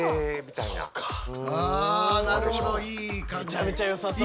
めちゃめちゃよさそう。